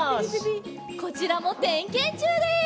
こちらもてんけんちゅうです！